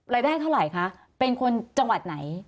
รายได้เท่าไหร่คะเป็นคนจังหวัดไหน